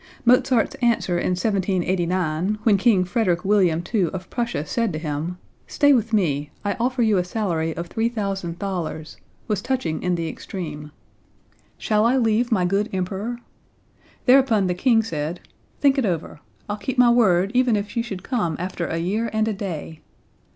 Mozart's answer in 1789, when King Frederick William II of Prussia said to him: "Stay with me; I offer you a salary of 3,000 thalers," was touching in the extreme: "Shall I leave my good Emperor?" Thereupon the king said: "Think it over. I'll keep my word even if you should come after a year and a day!"